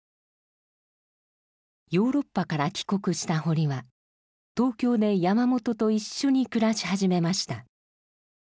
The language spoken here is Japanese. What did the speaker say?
ヨーロッパから帰国した堀は東京で山本と一緒に暮らし始めました。